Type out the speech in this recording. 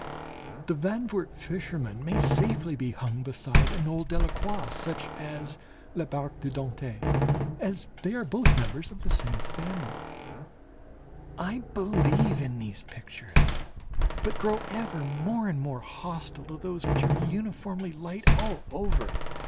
"The Zandvoort Fisherman" may safely be hung beside an old Delacroix, such as "La Barque de Dante," as they are both members of the same family. I believe in these pictures, but grow ever more and more hostile to those which are uniformly light all over.